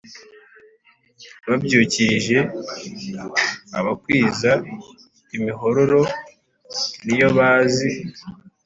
babyukirije abakwiza imihororo niyo bazi